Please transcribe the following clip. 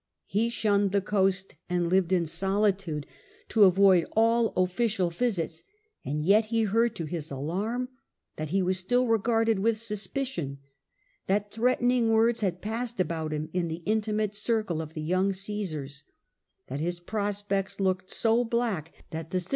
He shunned the coast Hia danger and sus and lived in solitude, to avoid all official visits, and yet he heard to his alarm that he was still regarded with suspicion, that threatening words had passed about him in the intimate circle of the young Caesars, that his prospects looked so black that the citi A.